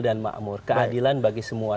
dan makmur keadilan bagi semua